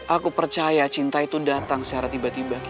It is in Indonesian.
aku percaya cinta itu datang secara tiba tiba